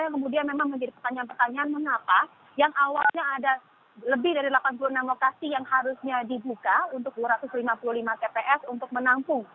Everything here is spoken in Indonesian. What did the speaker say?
yang kemudian memang menjadi pertanyaan pertanyaan mengapa yang awalnya ada lebih dari delapan puluh enam lokasi yang harusnya dibuka untuk dua ratus lima puluh lima tps untuk menampung